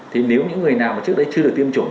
thì nếu những người nào trước đấy chưa được tiêm chủng